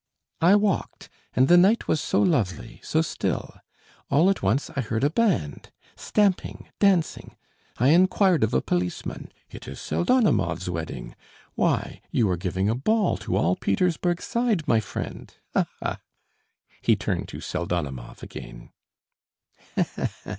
"I walked ... and the night was so lovely, so still. All at once I heard a band, stamping, dancing. I inquired of a policeman; it is Pseldonimov's wedding. Why, you are giving a ball to all Petersburg Side, my friend. Ha ha." He turned to Pseldonimov again.